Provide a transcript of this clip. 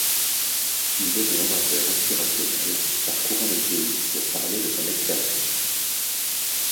Il devient orateur inspirationnel, parcourant le pays pour parler de son expérience.